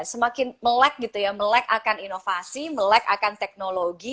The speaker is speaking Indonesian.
semakin melek gitu ya melek akan inovasi melek akan teknologi